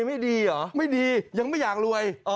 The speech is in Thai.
ไม่ดีเหรอไม่ดียังไม่อยากรวย